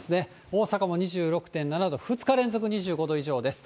大阪も２６．７度、２日連続２５度以上です。